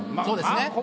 そうですね。